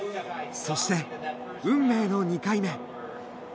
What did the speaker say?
そして、運命の２回目。